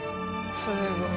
すごい。